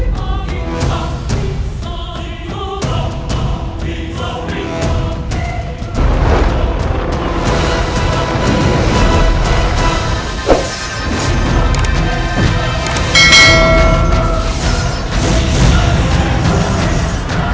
kau sudah buta